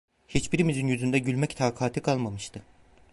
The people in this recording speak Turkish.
Hiçbirimizin yüzünde gülmek takati kalmamıştı…